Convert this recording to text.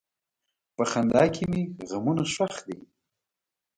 په خندا کې مې غمونه ښخ دي.